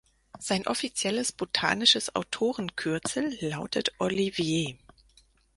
Sein offizielles botanisches Autorenkürzel lautet „Olivier“.